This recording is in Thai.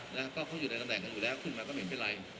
นะก็เขาอยู่ในตำแหน่งกันอยู่แล้วขึ้นมาก็ไม่เป็นไร